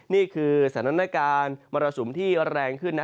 นี่คือสถานการณ์มาราสุนที่กำลังแรงขึ้นนะ